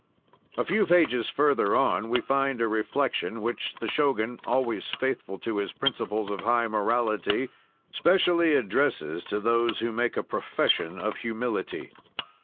A few pages further on we find a reflection which the Shogun, always faithful to his principles of high morality, specially addresses to those who make a profession of humility.